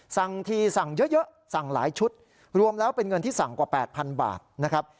สั่งทีสั่งเยอะสั่งหลายชุดรวมแล้วเป็นเงินที่สั่งกว่า๘๐๐๐บาทนะครับ